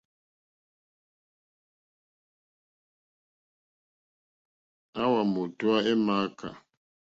Àwà mòtówá é !mááká.